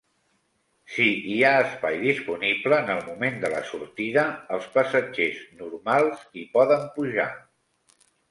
Si hi ha espai disponible en el moment de la sortida, els passatgers "normals" hi poden pujar.